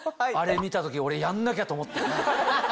あれ見た時俺やんなきゃと思ったね。